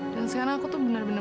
dan sekarang aku tuh benar benar